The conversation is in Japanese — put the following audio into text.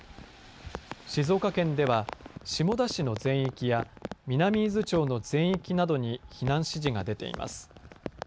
静岡県では下田市の全域や南伊豆町の全域などに避難指示が出ています。